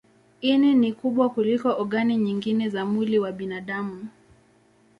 Ini ni kubwa kuliko ogani nyingine za mwili wa binadamu.